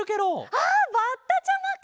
あっバッタちゃまか！